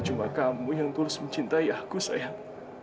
cuma kamu yang tulus mencintai aku sayang